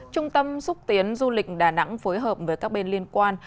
trung tâm xúc tiến du lịch đà nẵng phối hợp với các bên liên quan